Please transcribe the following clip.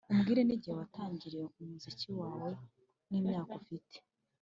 umbwire n’igihe watangiriye umuziki wawe, n’imyaka ufite